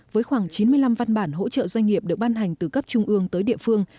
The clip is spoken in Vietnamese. với khoảng chín mươi năm văn bản hỗ trợ doanh nghiệp được ban hành từ cấp trung ương tới địa phương